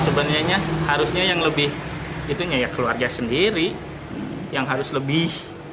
sebenarnya harusnya yang lebih itunya ya keluarga sendiri yang harus lebih